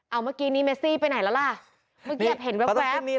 เอาเมื่อกี้นี้เมซี่ไปไหนแล้วล่ะเมื่อกี้แอบเห็นแว๊บ